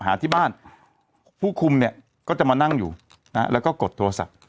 หาที่บ้านผู้คุมเนี่ยก็จะมานั่งอยู่นะแล้วก็กดโทรศัพท์